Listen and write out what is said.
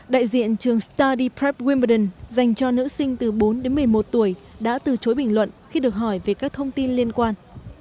đại diện trường study prep wimbledon dành cho nữ sinh từ bốn đến một mươi một tuổi đã từ chối bình luận khi được hỏi về các thông tin liên quan